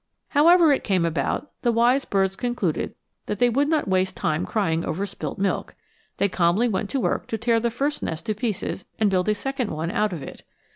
However it came about, the wise birds concluded that they would not waste time crying over spilt milk. They calmly went to work to tear the first nest to pieces and build a second one out of it.